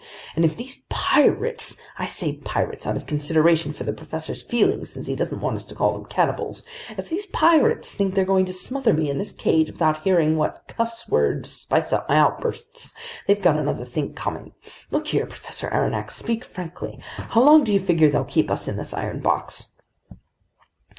And if these pirates—I say pirates out of consideration for the professor's feelings, since he doesn't want us to call them cannibals—if these pirates think they're going to smother me in this cage without hearing what cusswords spice up my outbursts, they've got another think coming! Look here, Professor Aronnax, speak frankly. How long do you figure they'll keep us in this iron box?"